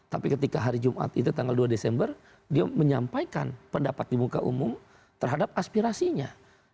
tapi ketika hari jumat itu tanggal dua desember dia menyampaikan pendapat di muka umum terhadap aspirasinya